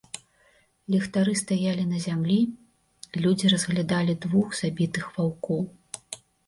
Ліхтары стаялі на зямлі, людзі разглядалі двух забітых ваўкоў.